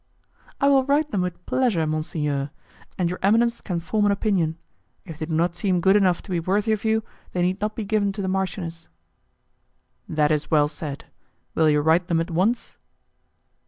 "I will write them with pleasure, monsignor, and your eminence can form an opinion; if they do not seem good enough to be worthy of you, they need not be given to the marchioness." "That is well said. Will you write them at once?"